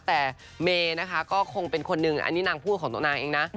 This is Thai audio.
แต่เมย์นะคะก็คงเป็นคนหนึ่งอันนี้นางพูดของตัวนางเองนะ